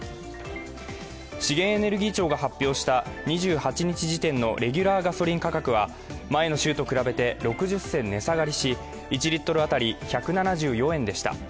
資源エネルギー庁が発表した２８日時点のレギュラーガソリン価格は前の週と比べて６０銭値下がりし１リットル当たり１７４円でした。